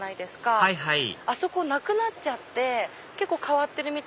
はいはいあそこなくなっちゃって結構変わってるみたいで。